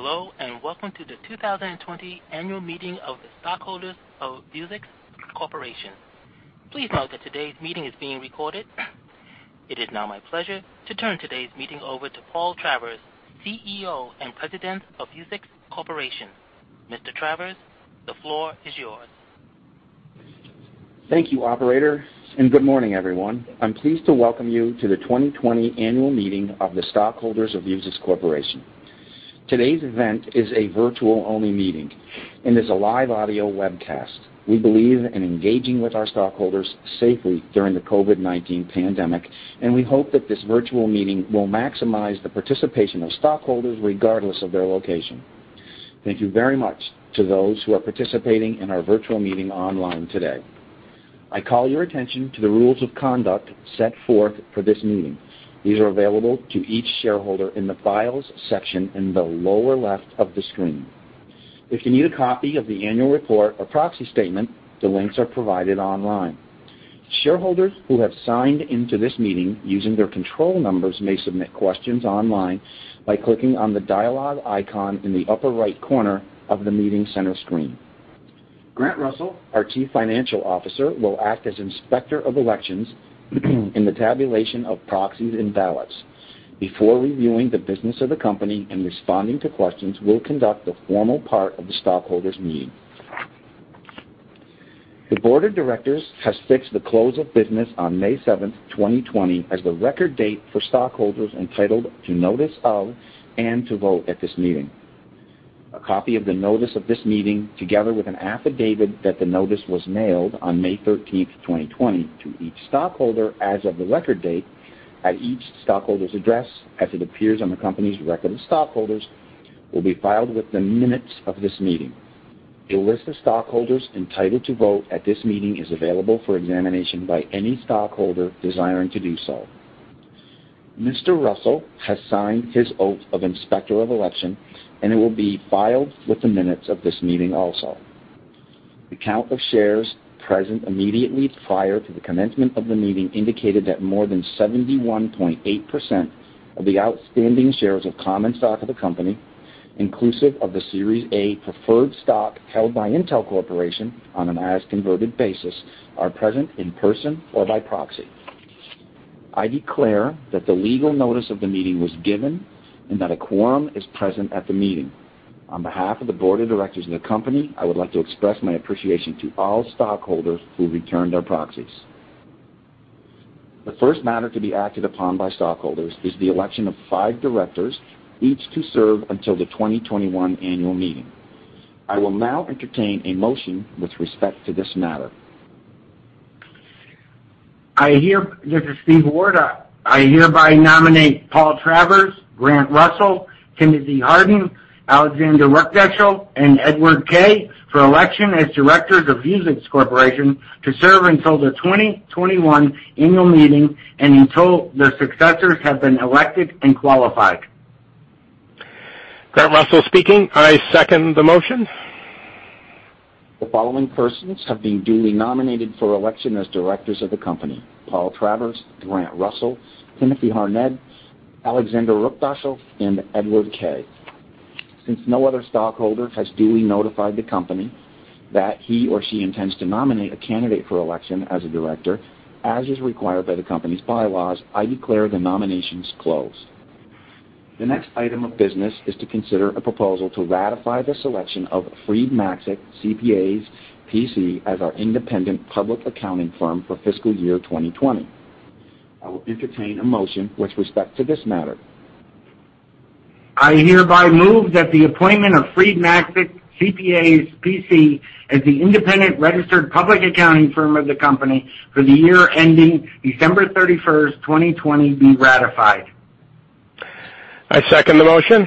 Hello. Welcome to the 2020 annual meeting of the stockholders of Vuzix Corporation. Please note that today's meeting is being recorded. It is now my pleasure to turn today's meeting over to Paul Travers, CEO and President of Vuzix Corporation. Mr. Travers, the floor is yours. Thank you, operator, and good morning, everyone. I'm pleased to welcome you to the 2020 annual meeting of the stockholders of Vuzix Corporation. Today's event is a virtual-only meeting and is a live audio webcast. We believe in engaging with our stockholders safely during the COVID-19 pandemic, and we hope that this virtual meeting will maximize the participation of stockholders regardless of their location. Thank you very much to those who are participating in our virtual meeting online today. I call your attention to the rules of conduct set forth for this meeting. These are available to each shareholder in the Files section in the lower left of the screen. If you need a copy of the annual report or proxy statement, the links are provided online. Shareholders who have signed into this meeting using their control numbers may submit questions online by clicking on the dialogue icon in the upper right corner of the meeting center screen. Grant Russell, our Chief Financial Officer, will act as Inspector of Elections in the tabulation of proxies and ballots. Before reviewing the business of the company and responding to questions, we will conduct the formal part of the stockholders meeting. The board of directors has fixed the close of business on May 7th, 2020, as the record date for stockholders entitled to notice of and to vote at this meeting. A copy of the notice of this meeting, together with an affidavit that the notice was mailed on May 13th, 2020, to each stockholder as of the record date at each stockholder's address as it appears on the company's record of stockholders, will be filed with the minutes of this meeting. A list of stockholders entitled to vote at this meeting is available for examination by any stockholder desiring to do so. Mr. Russell has signed his oath of Inspector of Election. It will be filed with the minutes of this meeting also. The count of shares present immediately prior to the commencement of the meeting indicated that more than 71.8% of the outstanding shares of common stock of the company, inclusive of the Series A preferred stock held by Intel Corporation on an as-converted basis, are present in person or by proxy. I declare that the legal notice of the meeting was given and that a quorum is present at the meeting. On behalf of the board of directors of the company, I would like to express my appreciation to all stockholders who returned their proxies. The first matter to be acted upon by stockholders is the election of five directors, each to serve until the 2021 annual meeting. I will now entertain a motion with respect to this matter. This is Steve Ward. I hereby nominate Paul Travers, Grant Russell, Timothy Harned, Alexander Ruckdaeschel, and Edward Kay for election as directors of Vuzix Corporation to serve until the 2021 annual meeting and until their successors have been elected and qualified. Grant Russell speaking. I second the motion. The following persons have been duly nominated for election as directors of the company: Paul Travers, Grant Russell, Timothy Harned, Alexander Ruckdaeschel, and Edward Kay. Since no other stockholder has duly notified the company that he or she intends to nominate a candidate for election as a director, as is required by the company's bylaws, I declare the nominations closed. The next item of business is to consider a proposal to ratify the selection of Freed Maxick CPAs, P.C. as our independent public accounting firm for fiscal year 2020. I will entertain a motion with respect to this matter. I hereby move that the appointment of Freed Maxick CPAs, P.C. as the independent registered public accounting firm of the company for the year ending December 31st, 2020, be ratified. I second the motion.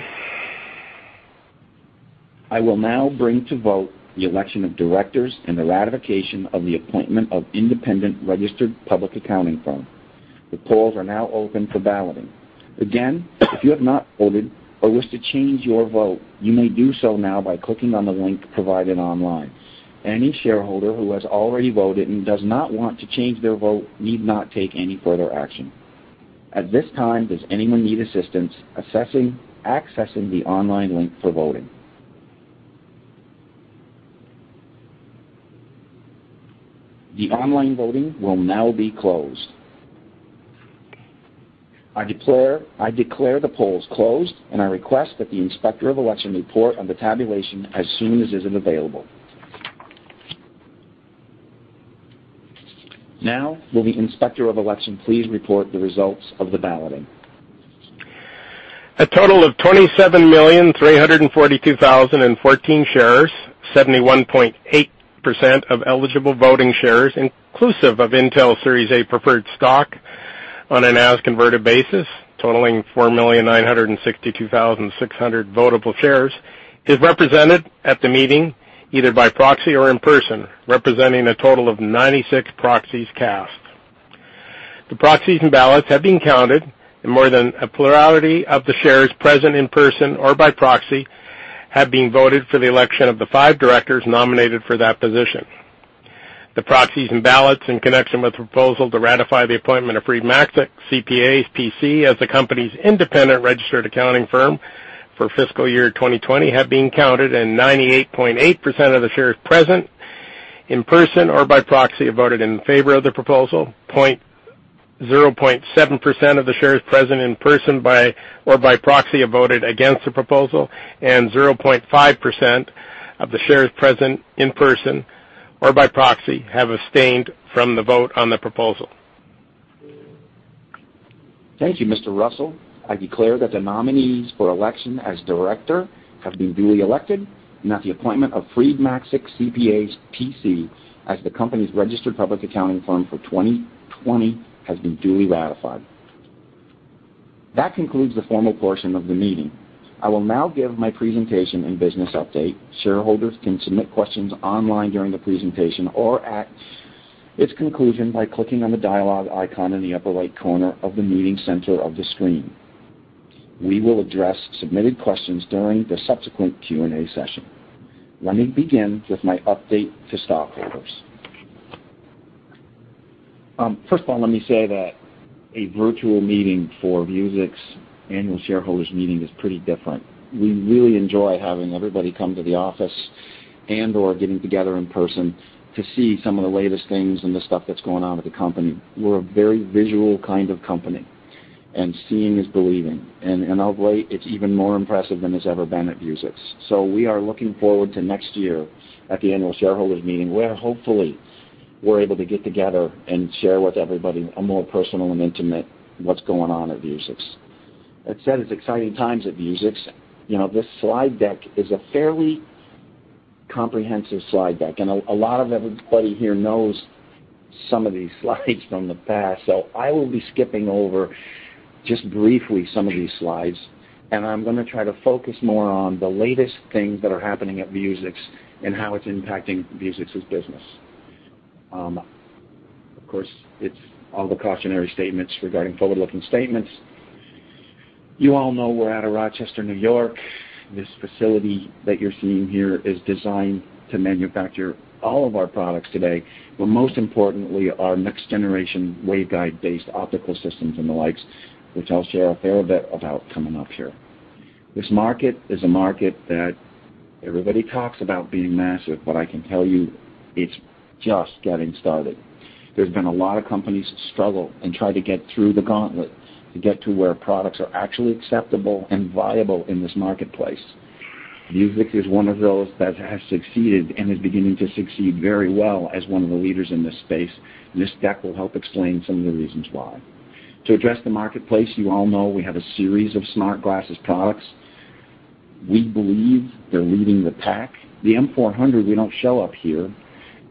I will now bring to vote the election of directors and the ratification of the appointment of independent registered public accounting firm. The polls are now open for balloting. If you have not voted or wish to change your vote, you may do so now by clicking on the link provided online. Any shareholder who has already voted and does not want to change their vote need not take any further action. At this time, does anyone need assistance accessing the online link for voting? The online voting will now be closed. I declare the polls closed, and I request that the Inspector of Election report on the tabulation as soon as it is available. Will the Inspector of Election please report the results of the balloting? A total of 27,342,014 shares, 71.8% of eligible voting shares, inclusive of Intel Series A preferred stock on an as-converted basis totaling 4,962,600 votable shares, is represented at the meeting either by proxy or in person, representing a total of 96 proxies cast. The proxies and ballots have been counted, more than a plurality of the shares present in person or by proxy have been voted for the election of the five directors nominated for that position. The proxies and ballots in connection with the proposal to ratify the appointment of Freed Maxick CPAs, P.C. as the company's independent registered accounting firm for fiscal year 2020 have been counted, 98.8% of the shares present in person or by proxy voted in favor of the proposal. 0.7% of the shares present in person or by proxy voted against the proposal, and 0.5% of the shares present in person or by proxy have abstained from the vote on the proposal. Thank you, Mr. Russell. I declare that the nominees for election as director have been duly elected and that the appointment of Freed Maxick CPAs, P.C. as the company's registered public accounting firm for 2020 has been duly ratified. That concludes the formal portion of the meeting. I will now give my presentation and business update. Shareholders can submit questions online during the presentation or at its conclusion by clicking on the dialogue icon in the upper right corner of the meeting center of the screen. We will address submitted questions during the subsequent Q&A session. Let me begin with my update to stockholders. First of all, let me say that a virtual meeting for Vuzix annual shareholders meeting is pretty different. We really enjoy having everybody come to the office and/or getting together in person to see some of the latest things and the stuff that's going on with the company. We're a very visual kind of company, seeing is believing. Of late, it's even more impressive than it's ever been at Vuzix. We are looking forward to next year at the annual shareholders meeting, where hopefully we're able to get together and share with everybody a more personal and intimate what's going on at Vuzix. That said, it's exciting times at Vuzix. This slide deck is a fairly comprehensive slide deck, a lot of everybody here knows some of these slides from the past. I will be skipping over just briefly some of these slides, and I'm going to try to focus more on the latest things that are happening at Vuzix and how it's impacting Vuzix's business. Of course, it's all the cautionary statements regarding forward-looking statements. You all know we're out of Rochester, N.Y. This facility that you're seeing here is designed to manufacture all of our products today, but most importantly, our next generation waveguide-based optical systems and the likes, which I'll share a fair bit about coming up here. This market is a market that everybody talks about being massive, but I can tell you it's just getting started. There's been a lot of companies struggle and try to get through the gauntlet to get to where products are actually acceptable and viable in this marketplace. Vuzix is one of those that has succeeded and is beginning to succeed very well as one of the leaders in this space, and this deck will help explain some of the reasons why. To address the marketplace, you all know we have a series of smart glasses products. We believe they're leading the pack. The M400 we don't show up here.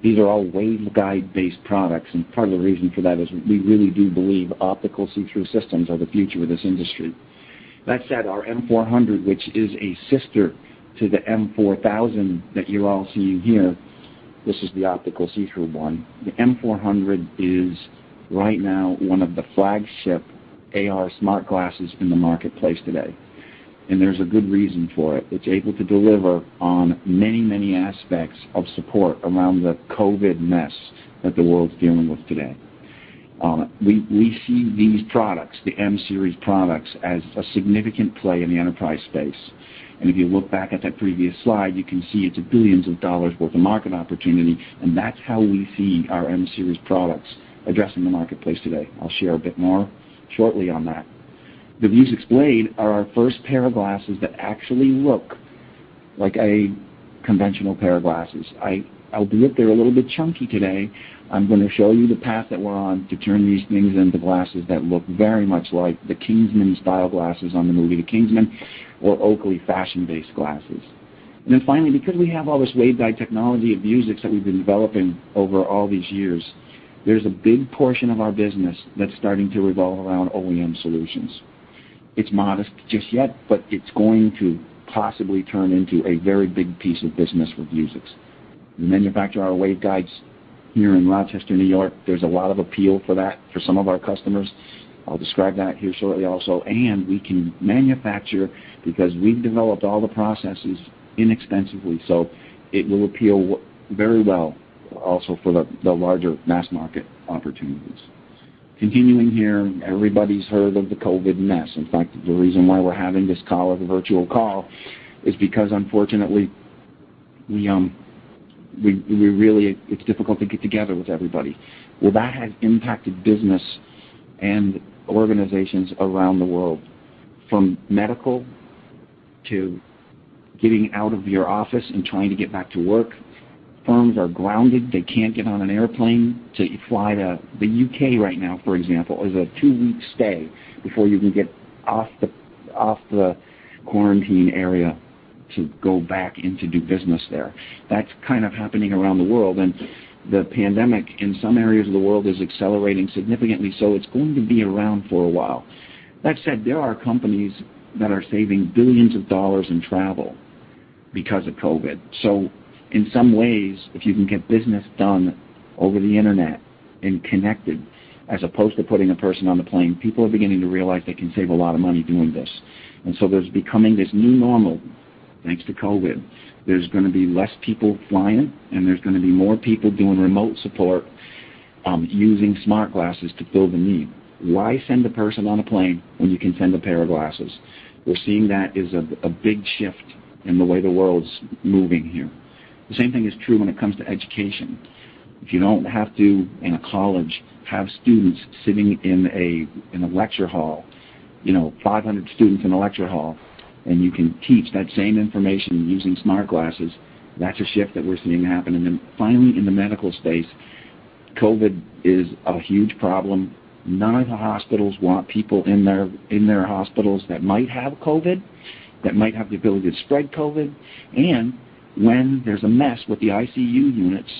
These are all waveguide-based products, and part of the reason for that is we really do believe optical see-through systems are the future of this industry. That said, our M400, which is a sister to the M4000 that you're all seeing here, this is the optical see-through one. The M400 is right now one of the flagship AR smart glasses in the marketplace today, and there's a good reason for it. It's able to deliver on many, many aspects of support around the COVID mess that the world's dealing with today. We see these products, the M series products, as a significant play in the enterprise space. If you look back at that previous slide, you can see it's a billions of dollars worth of market opportunity, and that's how we see our M series products addressing the marketplace today. I'll share a bit more shortly on that. The Vuzix Blade are our first pair of glasses that actually look like a conventional pair of glasses. Albeit they're a little bit chunky today, I'm going to show you the path that we're on to turn these things into glasses that look very much like the Kingsman style glasses on the movie, The Kingsman, or Oakley fashion-based glasses. Finally, because we have all this waveguide technology at Vuzix that we've been developing over all these years, there's a big portion of our business that's starting to revolve around OEM solutions. It's modest just yet, but it's going to possibly turn into a very big piece of business with Vuzix. We manufacture our waveguides here in Rochester, N.Y. There's a lot of appeal for that for some of our customers. I'll describe that here shortly also. We can manufacture because we've developed all the processes inexpensively, it will appeal very well also for the larger mass market opportunities. Continuing here, everybody's heard of the COVID mess. In fact, the reason why we're having this call as a virtual call is because unfortunately, it's difficult to get together with everybody. That has impacted business and organizations around the world, from medical to getting out of your office and trying to get back to work. Firms are grounded. They can't get on an airplane to fly to the U.K. right now, for example, is a two-week stay before you can get off the quarantine area to go back in to do business there. That's kind of happening around the world, the pandemic in some areas of the world is accelerating significantly, it's going to be around for a while. That said, there are companies that are saving billions of dollars in travel because of COVID. In some ways, if you can get business done over the Internet and connected, as opposed to putting a person on the plane, people are beginning to realize they can save a lot of money doing this. There's becoming this new normal. Thanks to COVID, there's going to be less people flying, and there's going to be more people doing remote support using smart glasses to fill the need. Why send a person on a plane when you can send a pair of glasses? We're seeing that as a big shift in the way the world's moving here. The same thing is true when it comes to education. If you don't have to, in a college, have students sitting in a lecture hall, 500 students in a lecture hall, and you can teach that same information using smart glasses, that's a shift that we're seeing happen. Finally, in the medical space, COVID is a huge problem. None of the hospitals want people in their hospitals that might have COVID, that might have the ability to spread COVID, when there's a mess with the ICU units,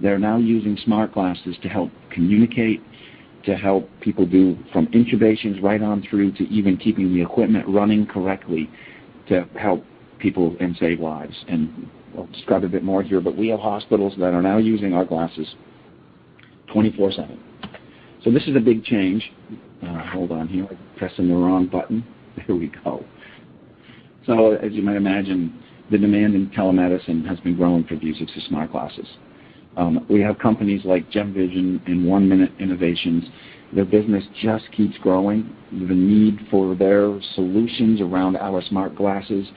they're now using smart glasses to help communicate, to help people do from intubations right on through to even keeping the equipment running correctly to help people and save lives. I'll describe a bit more here, but we have hospitals that are now using our glasses 24/7. This is a big change. Hold on here. I'm pressing the wrong button. There we go. As you might imagine, the demand in telemedicine has been growing for Vuzix's smart glasses. We have companies like Gemvision and 1Minuut Innovation. Their business just keeps growing. The need for their solutions around our smart glasses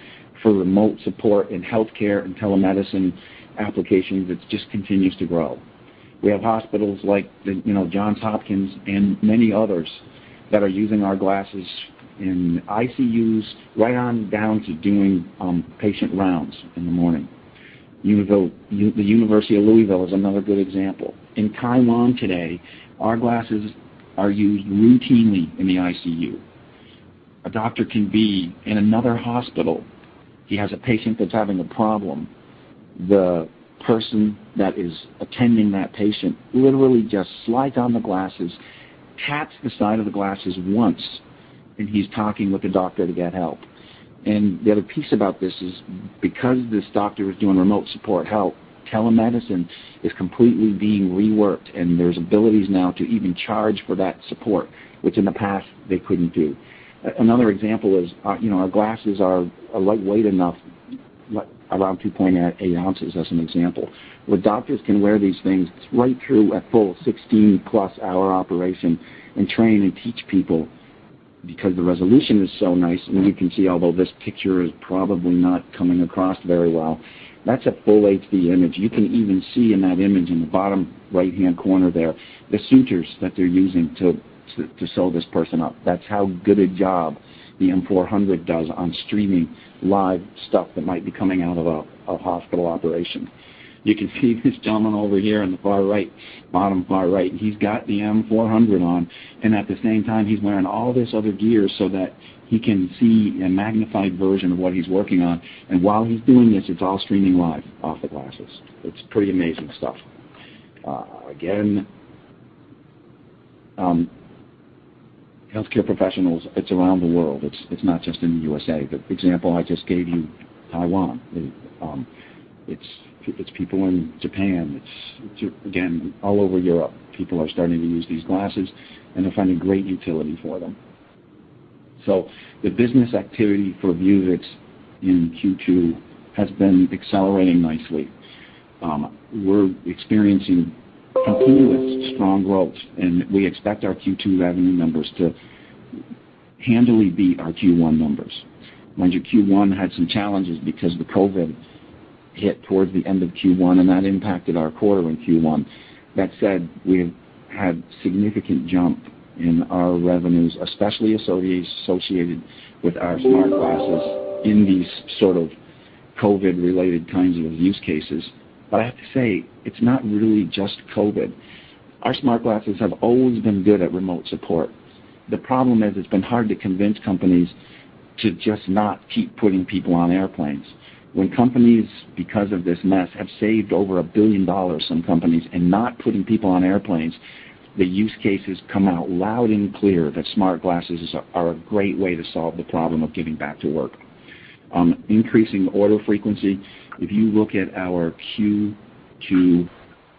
for remote support in healthcare and telemedicine applications, it just continues to grow. We have hospitals like Johns Hopkins and many others that are using our glasses in ICUs right on down to doing patient rounds in the morning. The University of Louisville is another good example. In Taiwan today, our glasses are used routinely in the ICU. A doctor can be in another hospital. He has a patient that's having a problem. The person that is attending that patient literally just slides on the glasses, taps the side of the glasses once, and he's talking with a doctor to get help. The other piece about this is because this doctor is doing remote support, telemedicine is completely being reworked, and there's abilities now to even charge for that support, which in the past they couldn't do. Another example is our glasses are lightweight enough, around 2.8 ounces as an example, where doctors can wear these things right through a full 16+ hour operation and train and teach people because the resolution is so nice. You can see, although this picture is probably not coming across very well, that's a full HD image. You can even see in that image in the bottom right-hand corner there, the sutures that they're using to sew this person up. That's how good a job the M400 does on streaming live stuff that might be coming out of a hospital operation. You can see this gentleman over here on the far right, bottom far right, he's got the M400 on, and at the same time, he's wearing all this other gear so that he can see a magnified version of what he's working on. While he's doing this, it's all streaming live off the glasses. It's pretty amazing stuff. Again, healthcare professionals, it's around the world. It's not just in the U.S. The example I just gave you, Taiwan. It's people in Japan. It's, again, all over Europe, people are starting to use these glasses, and they're finding great utility for them. The business activity for Vuzix in Q2 has been accelerating nicely. We're experiencing continuous strong growth, and we expect our Q2 revenue numbers to handily beat our Q1 numbers. Mind you, Q1 had some challenges because the COVID-19 hit towards the end of Q1, and that impacted our quarter in Q1. That said, we've had significant jump in our revenues, especially associated with our smart glasses in these sort of COVID-19-related kinds of use cases. I have to say, it's not really just COVID-19. Our smart glasses have always been good at remote support. The problem is it's been hard to convince companies to just not keep putting people on airplanes. When companies, because of this mess, have saved over a billion dollars, some companies, in not putting people on airplanes, the use cases come out loud and clear that smart glasses are a great way to solve the problem of getting back to work. Increasing order frequency. If you look at our Q2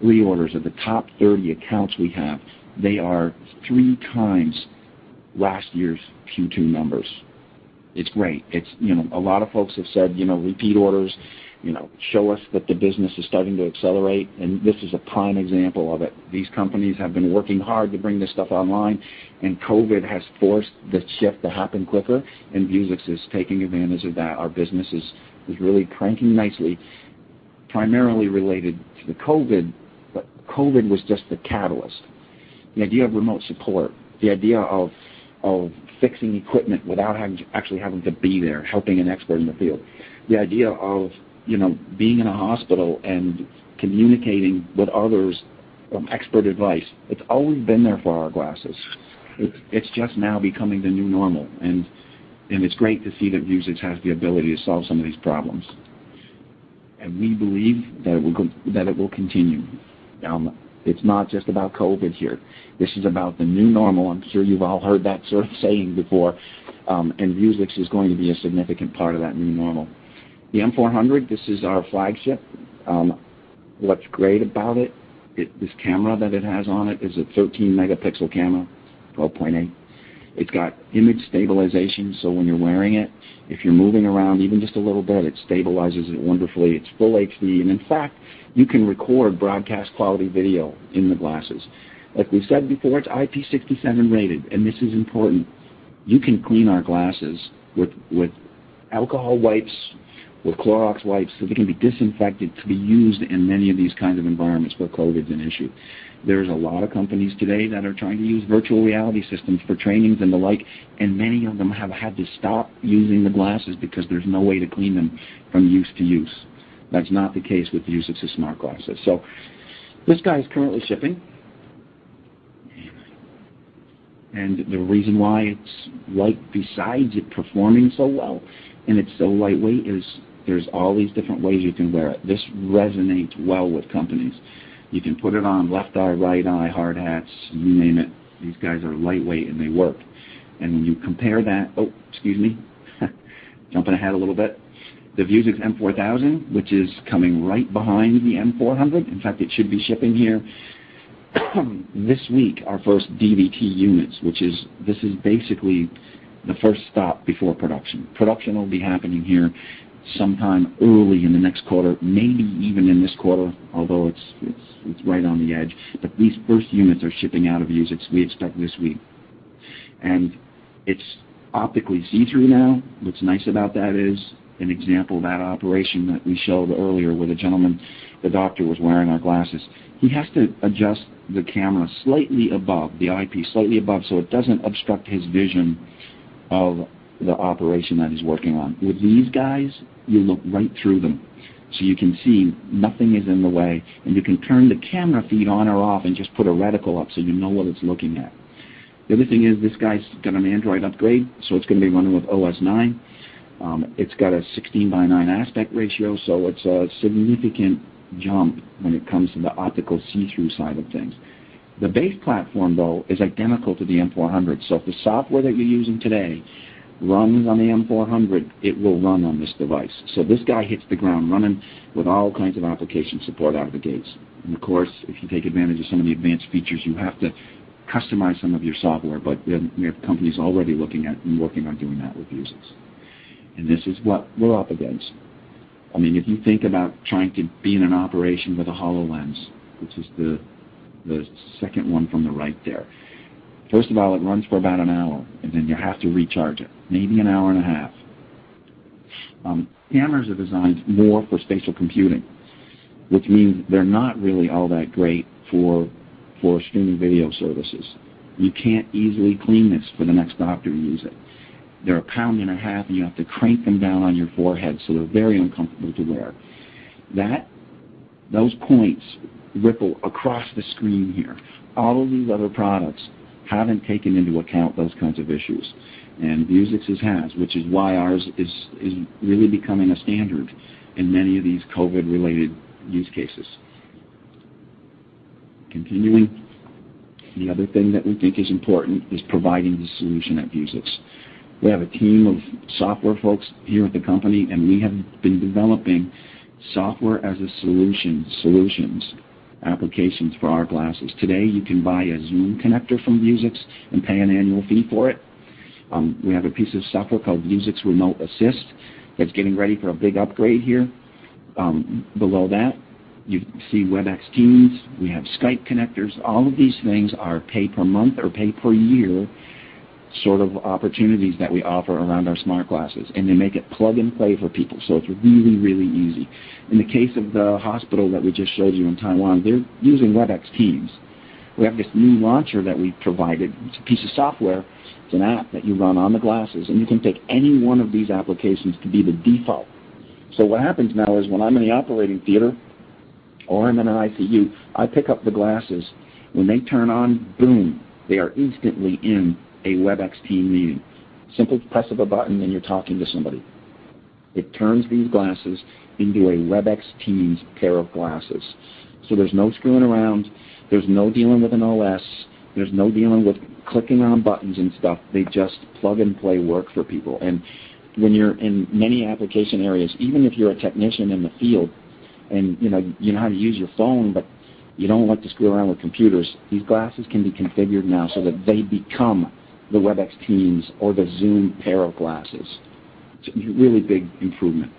reorders of the top 30 accounts we have, they are 3x last year's Q2 numbers. It's great. A lot of folks have said, "Repeat orders show us that the business is starting to accelerate," and this is a prime example of it. These companies have been working hard to bring this stuff online, and COVID has forced the shift to happen quicker, and Vuzix is taking advantage of that. Our business is really cranking nicely, primarily related to the COVID-19, but COVID-19 was just the catalyst. The idea of remote support, the idea of fixing equipment without actually having to be there, helping an expert in the field, the idea of being in a hospital and communicating with others expert advice, it's always been there for our glasses. It's just now becoming the new normal, and it's great to see that Vuzix has the ability to solve some of these problems. We believe that it will continue. It's not just about COVID-19 here. This is about the new normal. I'm sure you've all heard that sort of saying before, and Vuzix is going to be a significant part of that new normal. The M400, this is our flagship. What's great about it, this camera that it has on it is a 13 megapixel camera, 12.8. It's got image stabilization, so when you're wearing it, if you're moving around even just a little bit, it stabilizes it wonderfully. It's full HD, and in fact, you can record broadcast-quality video in the glasses. Like we said before, it's IP67 rated, and this is important. You can clean our glasses with alcohol wipes, with Clorox wipes, so they can be disinfected to be used in many of these kinds of environments where COVID's an issue. There's a lot of companies today that are trying to use virtual reality systems for trainings and the like, and many of them have had to stop using the glasses because there's no way to clean them from use to use. That's not the case with Vuzix's smart glasses. This guy is currently shipping. The reason why it's light, besides it performing so well and it's so lightweight, is there's all these different ways you can wear it. This resonates well with companies. You can put it on left eye, right eye, hard hats, you name it. These guys are lightweight, and they work. When you compare that, oh, excuse me, jumping ahead a little bit. The Vuzix M4000, which is coming right behind the M400, in fact, it should be shipping here this week, our first DVT units. This is basically the first stop before production. Production will be happening here sometime early in the next quarter, maybe even in this quarter, although it's right on the edge. These first units are shipping out of Vuzix. We expect this week. It's optically see-through now. What's nice about that is an example of that operation that we showed earlier where the gentleman, the doctor, was wearing our glasses. He has to adjust the camera slightly above the eyepiece, slightly above so it doesn't obstruct his vision of the operation that he's working on. With these guys, you look right through them. You can see nothing is in the way, and you can turn the camera feed on or off and just put a reticle up so you know what it's looking at. The other thing is this guy's got an Android upgrade, so it's going to be running with OS 9. It's got a 16 by 9 aspect ratio, so it's a significant jump when it comes to the optical see-through side of things. The base platform, though, is identical to the M400. If the software that you're using today runs on the M400, it will run on this device. This guy hits the ground running with all kinds of application support out of the gates. Of course, if you take advantage of some of the advanced features, you have to customize some of your software. We have companies already looking at and working on doing that with Vuzix. This is what we're up against. If you think about trying to be in an operation with a HoloLens, which is the second one from the right there. First of all, it runs for about an hour, and then you have to recharge it. Maybe an hour and a half. Cameras are designed more for spatial computing, which means they're not really all that great for streaming video services. You can't easily clean this for the next doctor to use it. They're a pound and a half, and you have to crank them down on your forehead, so they're very uncomfortable to wear. Those points ripple across the screen here. All of these other products haven't taken into account those kinds of issues, and Vuzix's has, which is why ours is really becoming a standard in many of these COVID-related use cases. Continuing. The other thing that we think is important is providing the solution at Vuzix. We have a team of software folks here at the company, and we have been developing software as a solutions, applications for our glasses. Today, you can buy a Zoom connector from Vuzix and pay an annual fee for it. We have a piece of software called Vuzix Remote Assist that's getting ready for a big upgrade here. Below that, you see Webex Teams. We have Skype connectors. All of these things are pay per month or pay per year sort of opportunities that we offer around our smart glasses, and they make it plug and play for people. It's really, really easy. In the case of the hospital that we just showed you in Taiwan, they're using Webex Teams. We have this new launcher that we provided. It's a piece of software. It's an app that you run on the glasses, and you can take any one of these applications to be the default. What happens now is when I'm in the operating theater or I'm in an ICU, I pick up the glasses. When they turn on, boom, they are instantly in a Webex Teams meeting. Simple press of a button, and you're talking to somebody. It turns these glasses into a Webex Teams pair of glasses. There's no screwing around. There's no dealing with an OS. There's no dealing with clicking on buttons and stuff. They just plug and play work for people. When you're in many application areas, even if you're a technician in the field and you know how to use your phone, but you don't want to screw around with computers, these glasses can be configured now so that they become the Webex Teams or the Zoom pair of glasses. It's a really big improvement.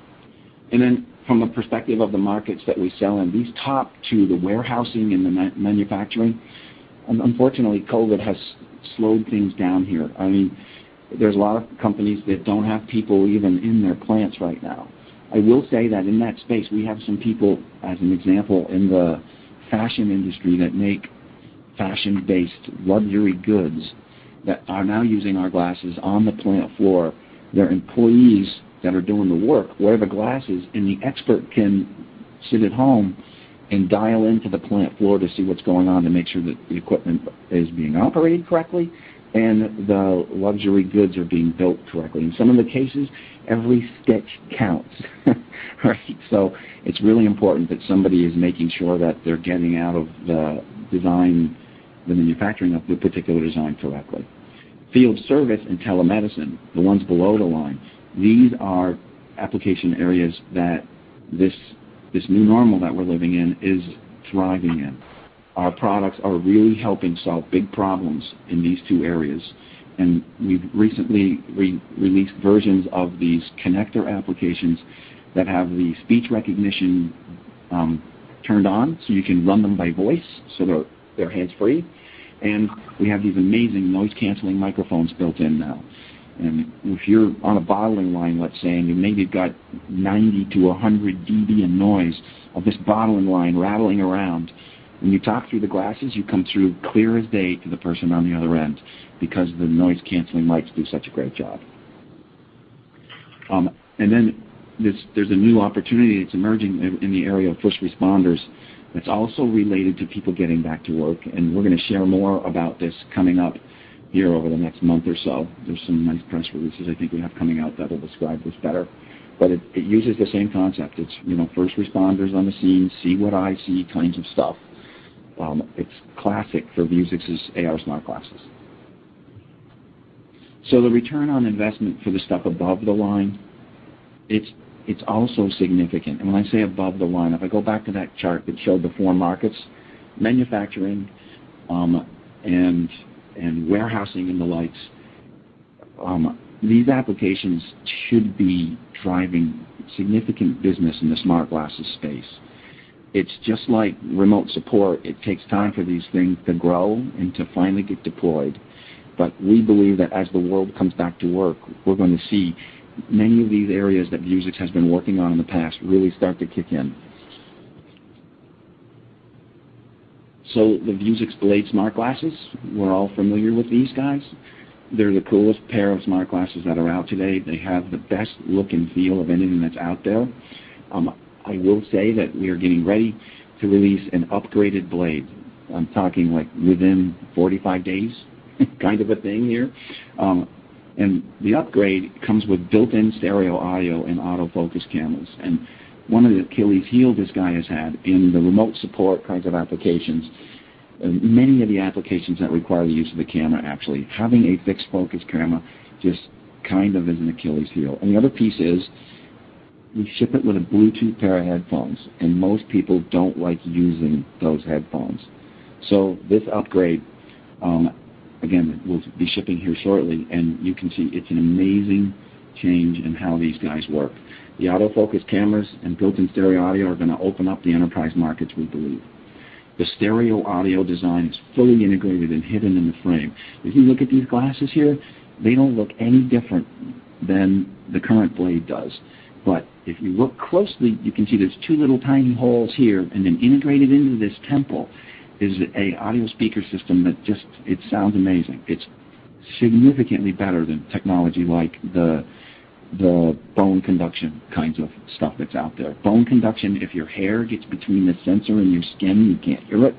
From a perspective of the markets that we sell in, these top two, the warehousing and the manufacturing, unfortunately, COVID has slowed things down here. There's a lot of companies that don't have people even in their plants right now. I will say that in that space, we have some people, as an example, in the fashion industry that make fashion-based luxury goods that are now using our glasses on the plant floor. Their employees that are doing the work wear the glasses, and the expert can sit at home and dial into the plant floor to see what's going on to make sure that the equipment is being operated correctly and the luxury goods are being built correctly. In some of the cases, every stitch counts, right? It's really important that somebody is making sure that they're getting out of the manufacturing of the particular design correctly. Field service and telemedicine, the ones below the line, these are application areas that this new normal that we're living in is thriving in. Our products are really helping solve big problems in these two areas. We've recently released versions of these connector applications that have the speech recognition turned on so you can run them by voice, so they're hands-free. We have these amazing noise-canceling microphones built in now. If you're on a bottling line, let's say, and you've maybe got 90-100 dB in noise of this bottling line rattling around, when you talk through the glasses, you come through clear as day to the person on the other end because the noise-canceling mics do such a great job. There's a new opportunity that's emerging in the area of first responders that's also related to people getting back to work. We're going to share more about this coming up here over the next month or so. There's some nice press releases I think we have coming out that'll describe this better. It uses the same concept. It's first responders on the scene, see what I see kinds of stuff. It's classic for Vuzix's AR smart glasses. The ROI for the stuff above the line, it's also significant. When I say above the line, if I go back to that chart that showed the four markets, manufacturing and warehousing and the likes, these applications should be driving significant business in the smart glasses space. It's just like remote support. It takes time for these things to grow and to finally get deployed. We believe that as the world comes back to work, we're going to see many of these areas that Vuzix has been working on in the past really start to kick in. The Vuzix Blade smart glasses, we're all familiar with these guys. They're the coolest pair of smart glasses that are out today. They have the best look and feel of anything that's out there. I will say that we are getting ready to release an upgraded Blade. I'm talking like within 45 days kind of a thing here. The upgrade comes with built-in stereo audio and autofocus cameras. One of the Achilles' heel this guy has had in the remote support kinds of applications, many of the applications that require the use of a camera, actually, having a fixed focus camera just kind of is an Achilles' heel. The other piece is we ship it with a Bluetooth pair of headphones, and most people don't like using those headphones. This upgrade, again, we'll be shipping here shortly, and you can see it's an amazing change in how these guys work. The autofocus cameras and built-in stereo audio are going to open up the enterprise markets, we believe. The stereo audio design is fully integrated and hidden in the frame. If you look at these glasses here, they don't look any different than the current Blade does. If you look closely, you can see there's two little tiny holes here, and then integrated into this temple is an audio speaker system that just, it sounds amazing. It's significantly better than technology like the bone conduction kinds of stuff that's out there. Bone conduction, if your hair gets between the sensor and your skin, you can't hear it.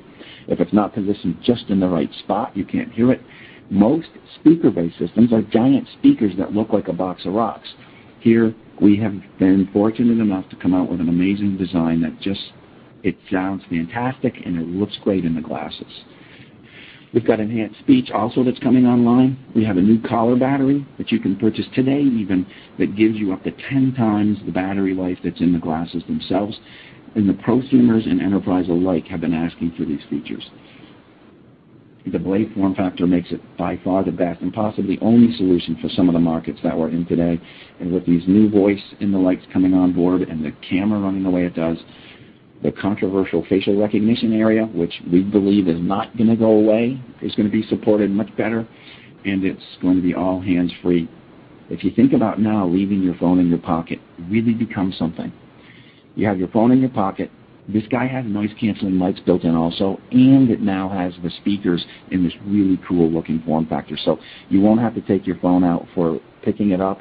If it's not positioned just in the right spot, you can't hear it. Most speaker-based systems are giant speakers that look like a box of rocks. Here we have been fortunate enough to come out with an amazing design that it sounds fantastic, and it looks great in the glasses. We've got enhanced speech also that's coming online. We have a new collar battery that you can purchase today even, that gives you up to 10x the battery life that's in the glasses themselves. The prosumers and enterprise alike have been asking for these features. The Blade form factor makes it by far the best and possibly only solution for some of the markets that we're in today. With these new voice and the likes coming on board and the camera running the way it does, the controversial facial recognition area, which we believe is not going to go away, is going to be supported much better, and it's going to be all hands-free. If you think about now leaving your phone in your pocket really becomes something. You have your phone in your pocket. This guy has noise-canceling mics built in also, and it now has the speakers in this really cool-looking form factor. You won't have to take your phone out for picking it up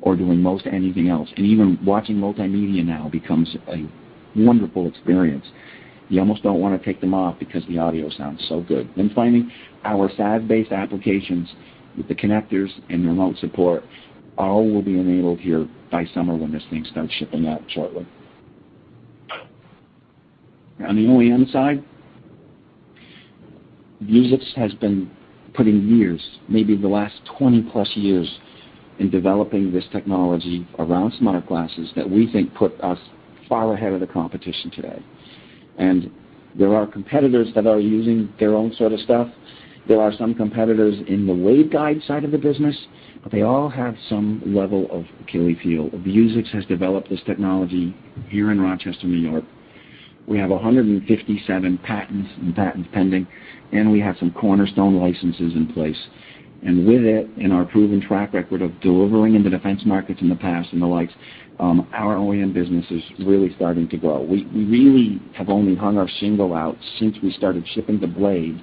or doing most anything else. Even watching multimedia now becomes a wonderful experience. You almost don't want to take them off because the audio sounds so good. Finally, our SaaS-based applications with the connectors and remote support all will be enabled here by summer when this thing starts shipping out shortly. On the OEM side, Vuzix has been putting years, maybe the last 20+ years, in developing this technology around smart glasses that we think put us far ahead of the competition today. There are competitors that are using their own sort of stuff. There are some competitors in the waveguide side of the business, but they all have some level of Achilles' heel. Vuzix has developed this technology here in Rochester, N.Y. We have 157 patents and patents pending, and we have some cornerstone licenses in place. With it and our proven track record of delivering in the defense markets in the past and the likes, our OEM business is really starting to grow. We really have only hung our shingle out since we started shipping the Blade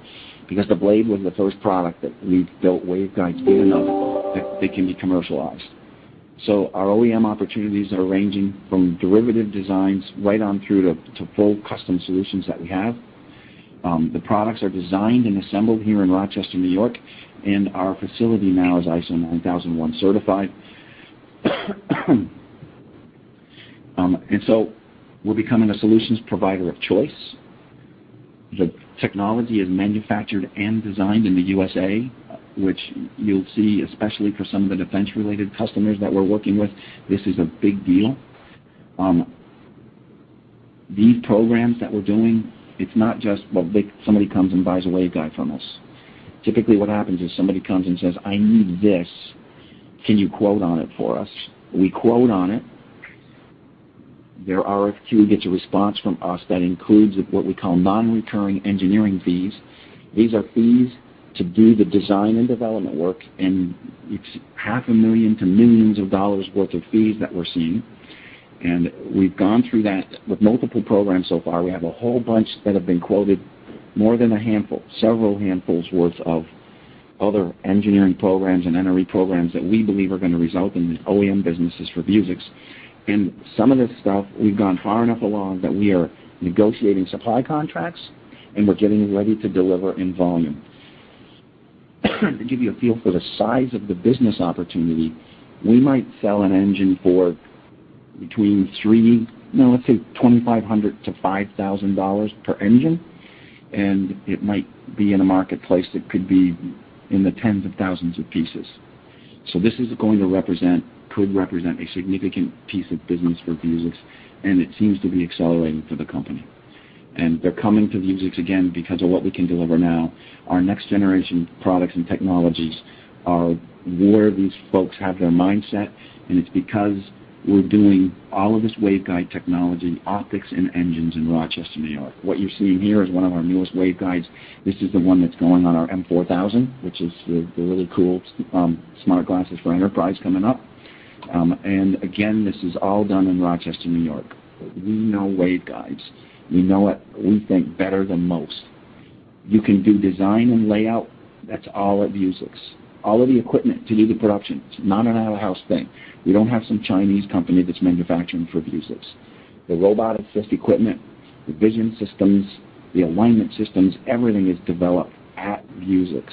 because the Blade was the first product that we built waveguides in of that can be commercialized. Our OEM opportunities are ranging from derivative designs right on through to full custom solutions that we have. The products are designed and assembled here in Rochester, N.Y., and our facility now is ISO 9001 certified. We're becoming a solutions provider of choice. The technology is manufactured and designed in the USA, which you'll see, especially for some of the defense-related customers that we're working with, this is a big deal. These programs that we're doing, it's not just, well, somebody comes and buys a waveguide from us. Typically, what happens is somebody comes and says, "I need this. Can you quote on it for us?" We quote on it. Their RFQ gets a response from us that includes what we call non-recurring engineering fees. These are fees to do the design and development work, and it's 500,000 to millions of dollars worth of fees that we're seeing. We've gone through that with multiple programs so far. We have a whole bunch that have been quoted, more than a handful, several handfuls worth of other engineering programs and NRE programs that we believe are going to result in OEM businesses for Vuzix. Some of this stuff, we've gone far enough along that we are negotiating supply contracts, and we're getting ready to deliver in volume. To give you a feel for the size of the business opportunity, we might sell an engine for between $2,500-$5,000 per engine. It might be in a marketplace that could be in the tens of thousands of pieces. This could represent a significant piece of business for Vuzix. It seems to be accelerating for the company. They're coming to Vuzix, again, because of what we can deliver now. Our next-generation products and technologies are where these folks have their mindset. It's because we're doing all of this waveguide technology, optics, and engines in Rochester, N.Y. What you're seeing here is one of our newest waveguides. This is the one that's going on our M4000, which is the really cool smart glasses for enterprise coming up. Again, this is all done in Rochester, N.Y. We know waveguides. We know it, we think, better than most. You can do design and layout, that's all at Vuzix. All of the equipment to do the production, it's not an out-of-house thing. We don't have some Chinese company that's manufacturing for Vuzix. The robotic assist equipment, the vision systems, the alignment systems, everything is developed at Vuzix.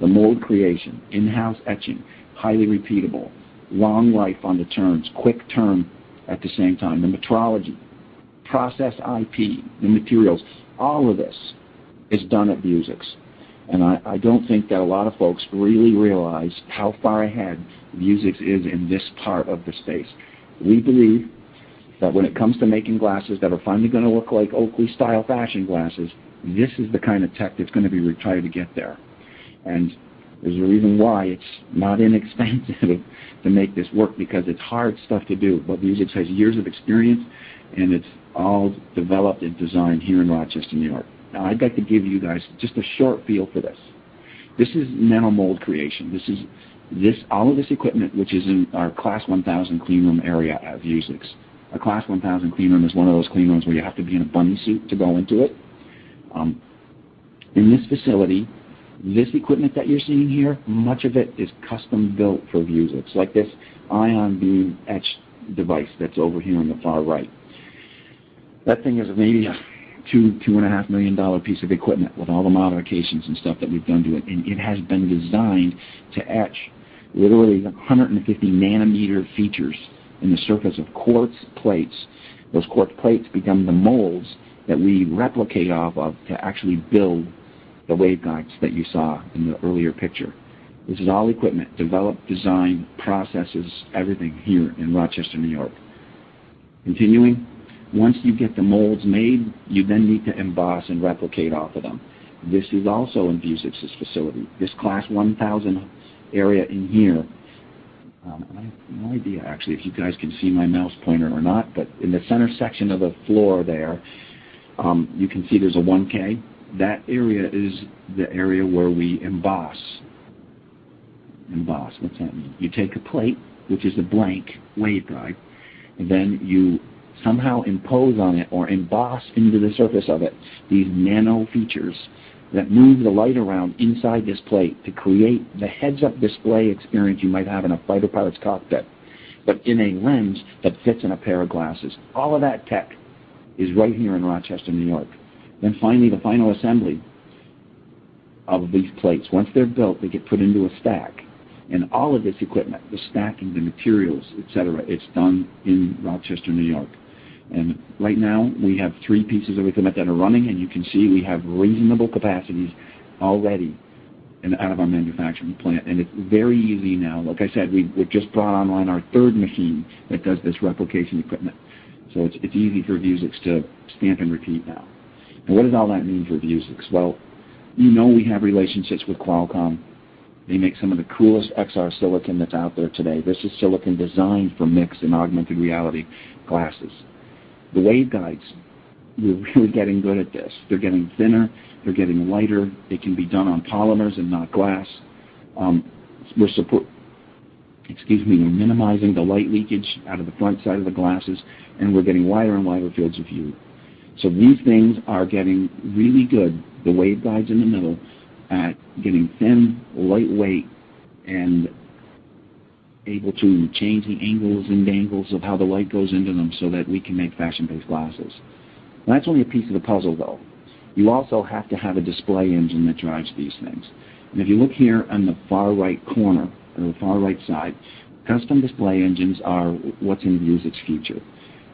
The mold creation, in-house etching, highly repeatable, long life on the turns, quick turn at the same time, the metrology, process IP, the materials, all of this is done at Vuzix. I don't think that a lot of folks really realize how far ahead Vuzix is in this part of the space. We believe that when it comes to making glasses that are finally going to look like Oakley-style fashion glasses, this is the kind of tech that's going to be required to get there. There's a reason why it's not inexpensive to make this work, because it's hard stuff to do. Vuzix has years of experience, and it's all developed and designed here in Rochester, N.Y. Now, I've got to give you guys just a short feel for this. This is nano-mold creation. All of this equipment, which is in our Class 1000 cleanroom area at Vuzix. A Class 1000 cleanroom is one of those cleanrooms where you have to be in a bunny suit to go into it. In this facility, this equipment that you're seeing here, much of it is custom-built for Vuzix. Like this ion beam etch device that's over here on the far right. That thing is maybe a $2 million, $2.5 million piece of equipment with all the modifications and stuff that we've done to it, and it has been designed to etch literally 150 nm features in the surface of quartz plates. Those quartz plates become the molds that we replicate off of to actually build the waveguides that you saw in the earlier picture. This is all equipment, developed, designed, processes, everything here in Rochester, New York. Once you get the molds made, you then need to emboss and replicate off of them. This is also in Vuzix's facility. This Class 1000 area in here. I have no idea, actually, if you guys can see my mouse pointer or not, but in the center section of the floor there, you can see there's a 1K. That area is the area where we emboss. Emboss, what's that mean? You take a plate, which is a blank waveguide, and then you somehow impose on it or emboss into the surface of it these nano features that move the light around inside this plate to create the heads-up display experience you might have in a fighter pilot's cockpit, but in a lens that fits in a pair of glasses. All of that tech is right here in Rochester, N.Y. Finally, the final assembly of these plates. Once they're built, they get put into a stack, and all of this equipment, the stacking, the materials, et cetera, it's done in Rochester, N.Y. Right now, we have three pieces of equipment that are running, and you can see we have reasonable capacities already out of our manufacturing plant, and it's very easy now. Like I said, we've just brought online our third machine that does this replication equipment. It's easy for Vuzix to stamp and repeat now. What does all that mean for Vuzix? You know we have relationships with Qualcomm. They make some of the coolest XR silicon that's out there today. This is silicon designed for mixed and augmented reality glasses. The waveguides, we're really getting good at this. They're getting thinner. They're getting lighter. It can be done on polymers and not glass. Excuse me. We're minimizing the light leakage out of the front side of the glasses, and we're getting wider and wider fields of view. These things are getting really good, the waveguides in the middle, at getting thin, lightweight, and able to change the angles and dangles of how the light goes into them so that we can make fashion-based glasses. That's only a piece of the puzzle, though. You also have to have a display engine that drives these things. If you look here on the far right corner or the far right side, custom display engines are what's in Vuzix's future.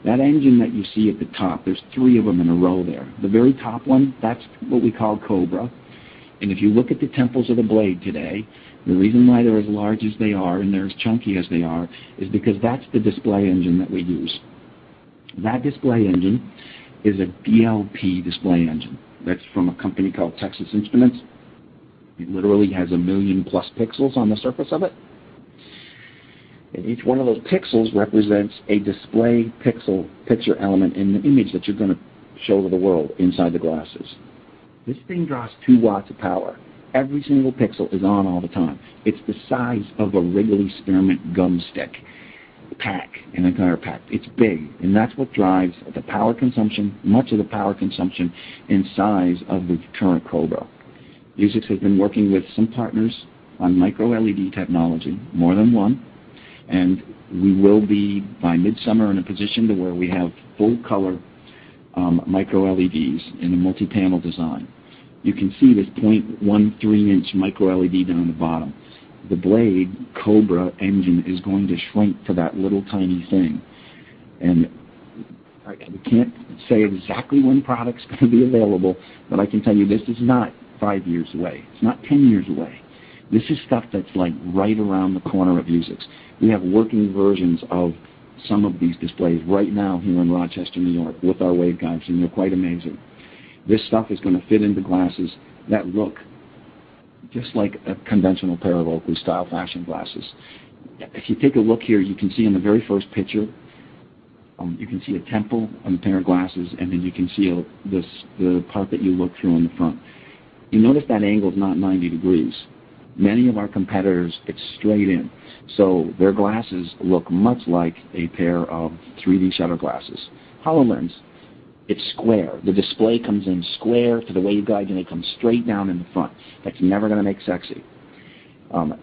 That engine that you see at the top, there's three of them in a row there. The very top one, that's what we call Cobra. If you look at the temples of the Blade today, the reason why they're as large as they are and they're as chunky as they are is because that's the display engine that we use. That display engine is a DLP display engine that's from a company called Texas Instruments. It literally has a million-plus pixels on the surface of it. Each one of those pixels represents a display pixel picture element in the image that you're going to show to the world inside the glasses. This thing draws 2 W of power. Every single pixel is on all the time. It's the size of a Wrigley's Spearmint gum stick pack, an entire pack. It's big, and that's what drives the power consumption, much of the power consumption and size of the current Cobra. Vuzix has been working with some partners on microLED technology, more than one, and we will be, by midsummer, in a position to where we have full-color microLEDs in a multi-panel design. You can see this 0.13 inch microLED down the bottom. The Blade Cobra engine is going to shrink to that little, tiny thing. We can't say exactly when product's going to be available, but I can tell you this is not five years away. It's not 10 years away. This is stuff that's right around the corner at Vuzix. We have working versions of some of these displays right now here in Rochester, N.Y., with our waveguides, and they're quite amazing. This stuff is going to fit into glasses that look just like conventional parallelepiped style fashion glasses. If you take a look here, you can see in the very first picture, you can see a temple on a pair of glasses, and then you can see the part that you look through in the front. You notice that angle is not 90 degrees. Many of our competitors, it's straight in. Their glasses look much like a pair of 3D shutter glasses. HoloLens, it's square. The display comes in square to the waveguide, then it comes straight down in the front. That's never going to make sexy.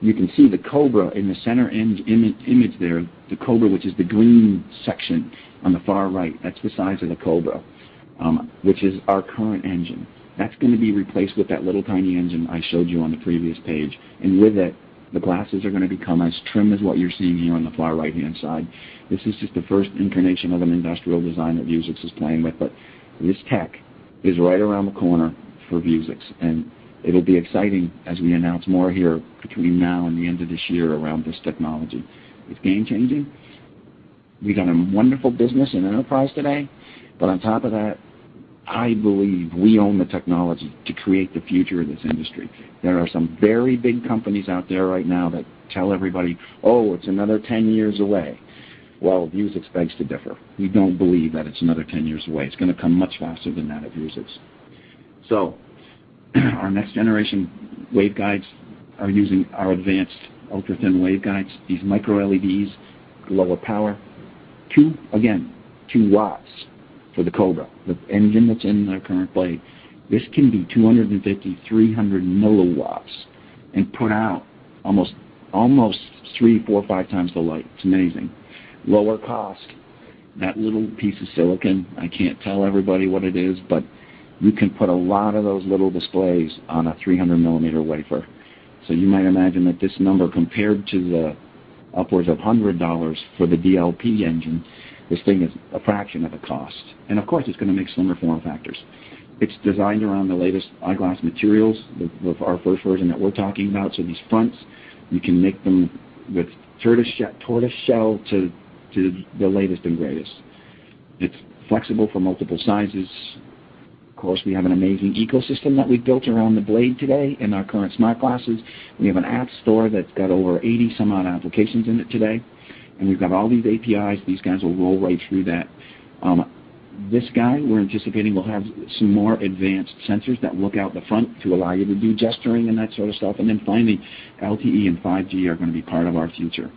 You can see the Cobra in the center image there, the Cobra, which is the green section on the far right. That's the size of the Cobra, which is our current engine. That's going to be replaced with that little, tiny engine I showed you on the previous page. With it, the glasses are going to become as trim as what you're seeing here on the far right-hand side. This is just the first incarnation of an industrial design that Vuzix is playing with. This tech is right around the corner for Vuzix, and it'll be exciting as we announce more here between now and the end of this year around this technology. It's game-changing. We've got a wonderful business in enterprise today. On top of that, I believe we own the technology to create the future of this industry. There are some very big companies out there right now that tell everybody, "Oh, it's another 10 years away." Vuzix begs to differ. We don't believe that it's another 10 years away. It's going to come much faster than that at Vuzix. Our next generation waveguides are using our advanced ultra-thin waveguides. These microLEDs, lower power. Two, again, 2 W for the Cobra, the engine that's in our current Blade. This can be 250-300 milliwatts and put out almost 3x, 4x, 5x the light. It's amazing. Lower cost. That little piece of silicon, I can't tell everybody what it is, but you can put a lot of those little displays on a 300-mm wafer. You might imagine that this number, compared to the upwards of $100 for the DLP engine, this thing is a fraction of the cost. Of course, it's going to make slimmer form factors. It's designed around the latest eyeglass materials with our first version that we're talking about. These fronts, you can make them with tortoiseshell to the latest and greatest. It's flexible for multiple sizes. Of course, we have an amazing ecosystem that we've built around the Blade today and our current smart glasses. We have an app store that's got over 80 some odd applications in it today. We've got all these APIs. These guys will roll right through that. This guy, we're anticipating, will have some more advanced sensors that look out the front to allow you to do gesturing and that sort of stuff. Finally, LTE and 5G are going to be part of our future.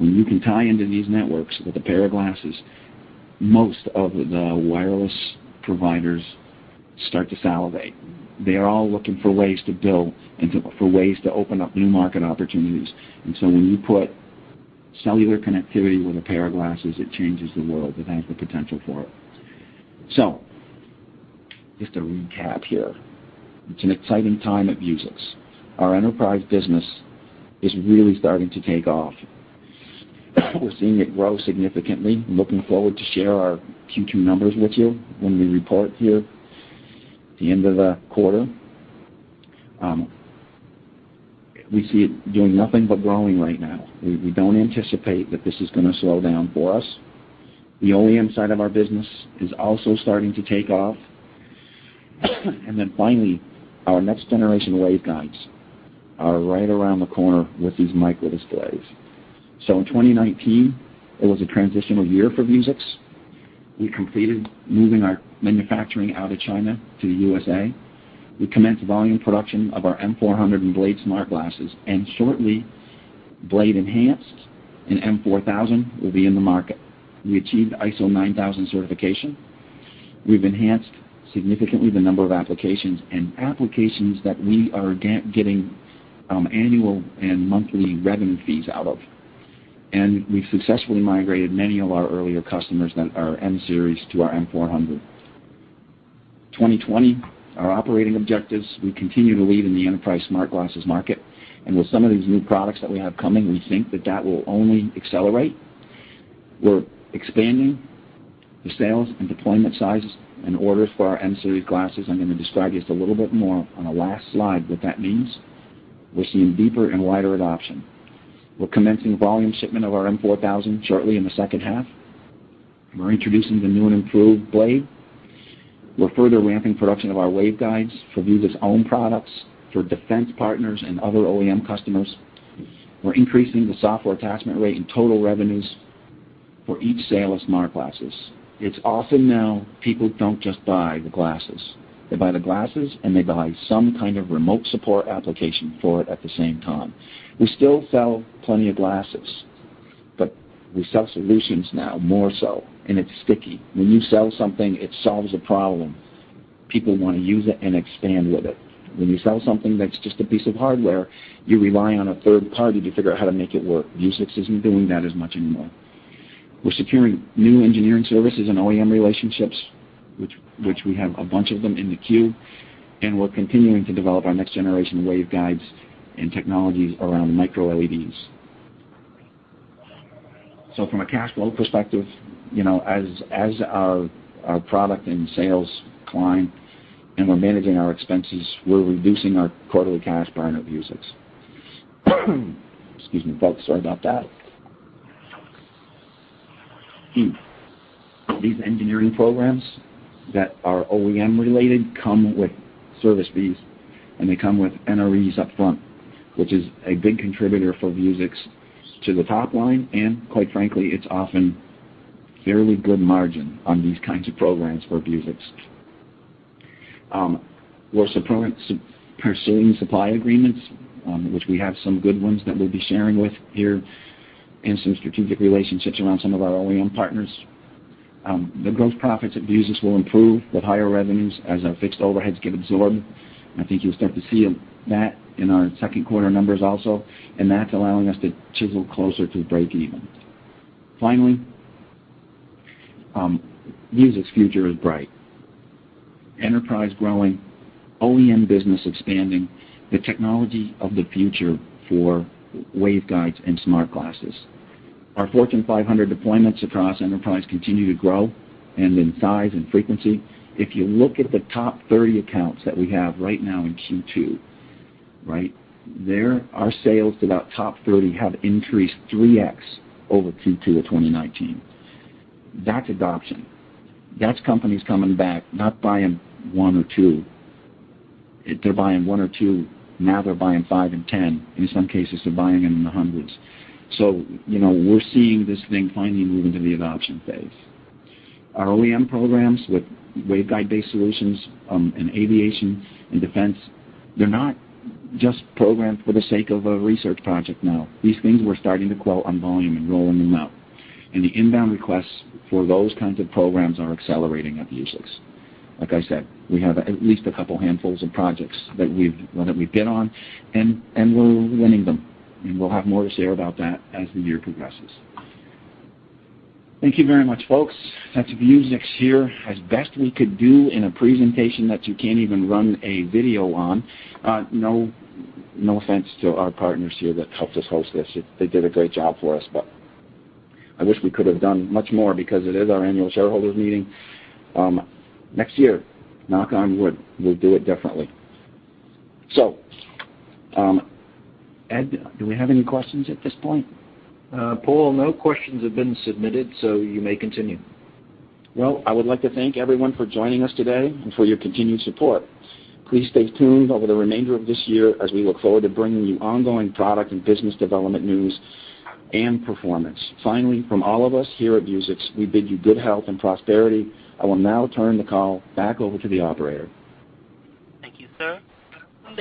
When you can tie into these networks with a pair of glasses, most of the wireless providers start to salivate. They're all looking for ways to build and for ways to open up new market opportunities. When you put cellular connectivity with a pair of glasses, it changes the world. It has the potential for it. Just to recap here, it's an exciting time at Vuzix. Our enterprise business is really starting to take off. We're seeing it grow significantly. I'm looking forward to share our Q2 numbers with you when we report here at the end of the quarter. We see it doing nothing but growing right now. We don't anticipate that this is going to slow down for us. The OEM side of our business is also starting to take off. Finally, our next generation waveguides are right around the corner with these microdisplays. In 2019, it was a transitional year for Vuzix. We completed moving our manufacturing out of China to the USA. We commenced volume production of our M400 and Blade smart glasses, and shortly, Blade Enhanced and M4000 will be in the market. We achieved ISO 9000 certification. We've enhanced significantly the number of applications that we are getting annual and monthly revenue fees out of. We've successfully migrated many of our earlier customers that are M series to our M400. 2020, our operating objectives, we continue to lead in the enterprise smart glasses market. With some of these new products that we have coming, we think that that will only accelerate. We're expanding the sales and deployment sizes and orders for our M series glasses. I'm going to describe just a little bit more on the last slide what that means. We're seeing deeper and wider adoption. We're commencing volume shipment of our M4000 shortly in the H2. We're introducing the new and improved Blade. We're further ramping production of our waveguides for Vuzix own products, for defense partners, and other OEM customers. We're increasing the software attachment rate and total revenues for each sale of smart glasses. It's often now people don't just buy the glasses. They buy the glasses, and they buy some kind of remote support application for it at the same time. We still sell plenty of glasses, but we sell solutions now more so, and it's sticky. When you sell something, it solves a problem. People want to use it and expand with it. When you sell something that's just a piece of hardware, you rely on a third party to figure out how to make it work. Vuzix isn't doing that as much anymore. We're securing new engineering services and OEM relationships, which we have a bunch of them in the queue, and we're continuing to develop our next generation of waveguides and technologies around microLEDs. From a cash flow perspective, as our product and sales climb and we're managing our expenses, we're reducing our quarterly cash burn at Vuzix. Excuse me, folks. Sorry about that. These engineering programs that are OEM related come with service fees, and they come with NREs up front, which is a big contributor for Vuzix to the top line, and quite frankly, it's often fairly good margin on these kinds of programs for Vuzix. We're pursuing supply agreements, which we have some good ones that we'll be sharing with here, and some strategic relationships around some of our OEM partners. The gross profits at Vuzix will improve with higher revenues as our fixed overheads get absorbed. I think you'll start to see that in our Q2 numbers also, and that's allowing us to chisel closer to breakeven. Finally, Vuzix's future is bright. Enterprise growing, OEM business expanding, the technology of the future for waveguides and smart glasses. Our Fortune 500 deployments across enterprise continue to grow and in size and frequency. If you look at the top 30 accounts that we have right now in Q2, right? There, our sales to that top 30 have increased 3x over Q2 of 2019. That's adoption. That's companies coming back, not buying one or two. They're buying one or two, now they're buying five and 10. In some cases, they're buying them in the hundreds. We're seeing this thing finally moving to the adoption phase. Our OEM programs with waveguide-based solutions in aviation and defense, they're not just programmed for the sake of a research project now. These things we're starting to quote on volume and rolling them out, and the inbound requests for those kinds of programs are accelerating at Vuzix. Like I said, we have at least a couple handfuls of projects that we've bid on, and we're winning them, and we'll have more to share about that as the year progresses. Thank you very much, folks. That's Vuzix here as best we could do in a presentation that you can't even run a video on. No offense to our partners here that helped us host this. They did a great job for us, but I wish we could have done much more because it is our annual shareholders meeting. Next year, knock on wood, we'll do it differently. Ed, do we have any questions at this point? Paul, no questions have been submitted, so you may continue. Well, I would like to thank everyone for joining us today and for your continued support. Please stay tuned over the remainder of this year as we look forward to bringing you ongoing product and business development news and performance. Finally, from all of us here at Vuzix, we bid you good health and prosperity. I will now turn the call back over to the operator.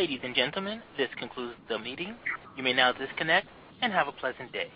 Thank you, sir. Ladies and gentlemen, this concludes the meeting. You may now disconnect, and have a pleasant day.